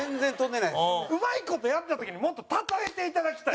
うまい事やった時もっとたたえていただきたい。